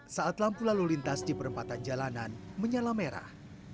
saat lampu lalu lintas di perempatan jalanan menyala merah